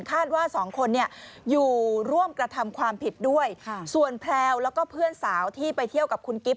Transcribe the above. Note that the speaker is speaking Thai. ว่าสองคนเนี่ยอยู่ร่วมกระทำความผิดด้วยส่วนแพลวแล้วก็เพื่อนสาวที่ไปเที่ยวกับคุณกิ๊บ